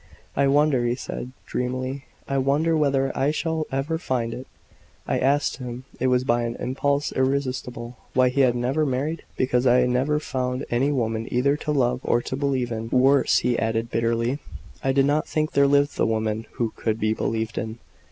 "I wonder," he said, dreamily, "I wonder whether I shall ever find it." I asked him it was by an impulse irresistible why he had never married? "Because I never found any woman either to love or to believe in. Worse," he added, bitterly, "I did not think there lived the woman who could be believed in."